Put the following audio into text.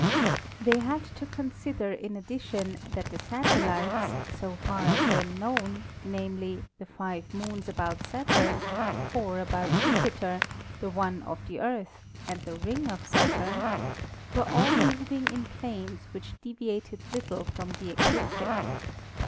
They had to consider in addition that the satellites, so far as then known — namely, the five moons about Saturn, four about Jupiter, the one of the Earth and the ring of Saturn — were all moving in planes which devi ated little from the ecliptic.